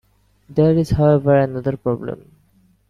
There is, however, another problem.